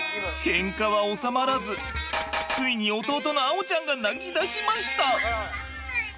ケンカはおさまらずついに弟の碧ちゃんが泣きだしました。